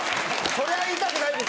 そりゃ言いたくないです。